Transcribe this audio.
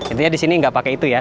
intinya di sini nggak pakai itu ya